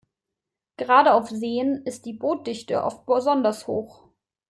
Gerade auf Seen ist die Bootdichte oft besonders hoch.